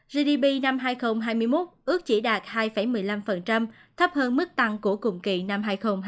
gdp năm hai nghìn hai mươi một ước chỉ đạt hai một mươi năm thấp hơn mức tăng của cùng kỳ năm hai nghìn hai mươi ba